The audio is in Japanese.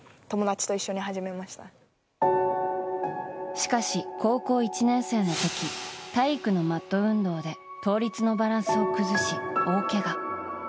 しかし、高校１年生の時体育のマット運動で倒立のバランスを崩し大けが。